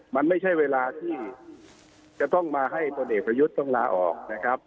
มันไม่ใช่เวลาที่จะต้องมาให้พลเอกประยุทธ์ต้องลาออกนะครับ